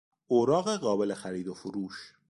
اوراق قابل خرید و فروش